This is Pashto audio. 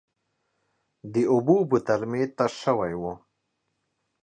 د اوبو بوتل مې تش شوی و.